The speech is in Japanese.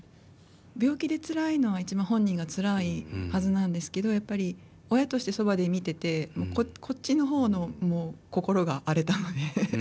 病気でつらいのは一番本人がつらいはずなんですけどやっぱり親としてそばで見ててこっちの方の心が荒れたので。